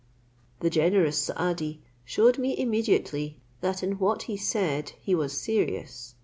The generous Saadi showed me immediately that in what he said he was serious.